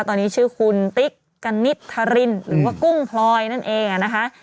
ตอนนี้ชื่อคุณติ๊กกณิตธรินหรือว่ากุ้งพลอยนั่นเองนะคะ